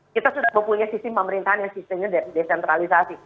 kita sudah mempunyai sistem pemerintahan yang sistemnya desentralisasi